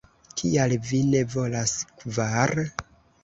Kial vi ne volas kvar?"